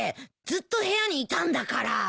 ずっと部屋にいたんだから。